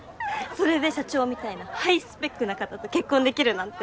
それで社長みたいなハイスペックな方と結婚できるなんて。